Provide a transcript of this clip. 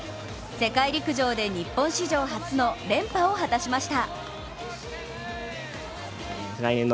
世界陸上で日本史上初の連覇を果たしました。